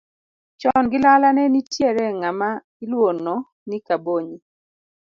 Chon gi lala ne nitiere ng'ama iluono ni Kabonyi.